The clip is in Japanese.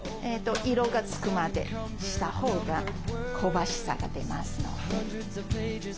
色が付くまでしたほうが香ばしさが出ます。